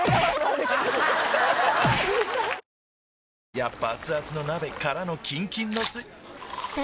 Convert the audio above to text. やっぱアツアツの鍋からのキンキンのスん？